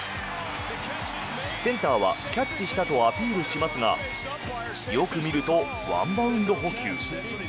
センターは、キャッチしたとアピールしますがよく見るとワンバウンド捕球。